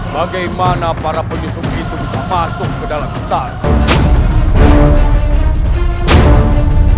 bagaimana para penyusup itu bisa masuk ke dalam hutan